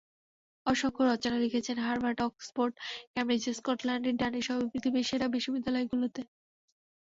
অসংখ্য রচনা লিখেছেন হার্ভার্ড, অক্সফোর্ড, কেমব্রিজ, স্কটল্যান্ডের ডানডিসহ পৃথিবীর সেরা বিশ্ববিদ্যালয়গুলোতে।